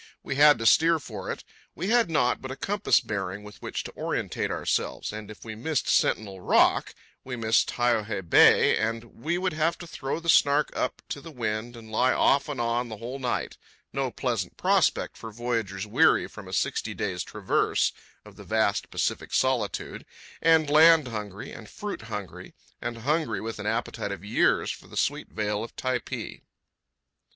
We had to steer for it. We had naught but a compass bearing with which to orientate ourselves, and if we missed Sentinel Rock, we missed Taiohae Bay, and we would have to throw the Snark up to the wind and lie off and on the whole night—no pleasant prospect for voyagers weary from a sixty days' traverse of the vast Pacific solitude, and land hungry, and fruit hungry, and hungry with an appetite of years for the sweet vale of Typee.